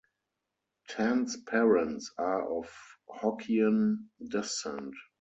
Tan's parents are of Hokkien descent.